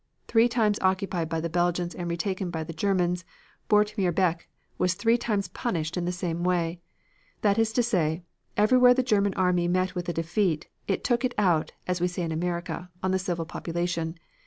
Three times occupied by the Belgians and retaken by the Germans Boortmeerbeek was three times punished in the same way. That is to say, everywhere the German army met with a defeat it took it out, as we say in America, on the civil population.